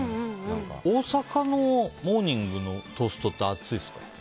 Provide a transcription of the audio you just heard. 大阪のモーニングのトーストって厚いですか？